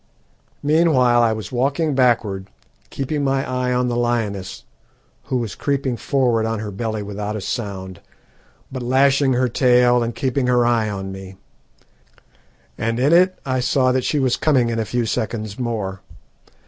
"Meanwhile I was walking backward, keeping my eye on the lioness, who was creeping forward on her belly without a sound, but lashing her tail and keeping her eye on me; and in it I saw that she was coming in a few seconds more.